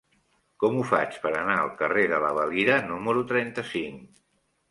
Com ho faig per anar al carrer de la Valira número trenta-cinc?